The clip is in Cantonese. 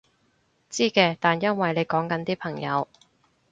知嘅，但因為你講緊啲朋友